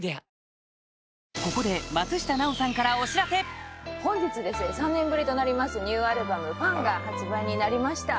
ここで本日３年ぶりとなりますニューアルバム『ＦＵＮ』が発売になりました。